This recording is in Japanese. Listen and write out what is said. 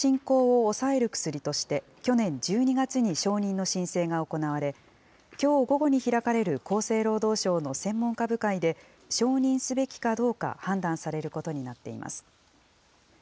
アルツハイマー病の進行を抑える薬として、去年１２月に承認の申請が行われ、きょう午後に開かれる厚生労働省の専門家部会で、承認すべきかどうか判断されることになっています。